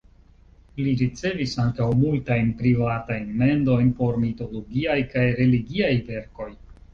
Li ricevis ankaŭ multajn privatajn mendojn por mitologiaj kaj religiaj verkoj.